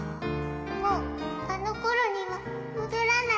もう、あのころには戻らない。